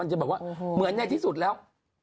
เหมือนในที่สุดแล้ว